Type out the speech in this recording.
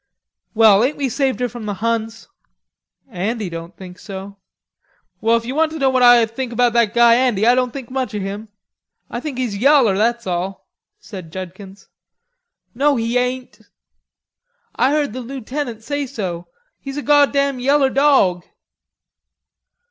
"Well, ain't we saved her from the Huns?" "Andy don't think so." "Well, if you want to know what I think about that guy Andy I don't think much of him. I think he's yaller, that's all," said Judkins. "No, he ain't." "I heard the lootenant say so. He's a goddam yeller dawg."